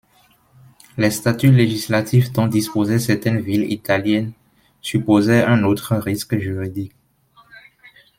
Les statuts législatifs dont disposaient certaines villes italiennes supposaient un autre risque juridique.